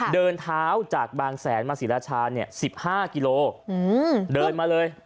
เดินเท้าจากบางแสนมาศรีราชา๑๕กิโลเดินมาเลย